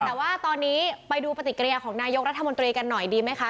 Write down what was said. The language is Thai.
แต่ว่าตอนนี้ไปดูปฏิกิริยาของนายกรัฐมนตรีกันหน่อยดีไหมคะ